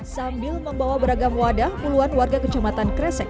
sambil membawa beragam wadah puluhan warga kecamatan kresek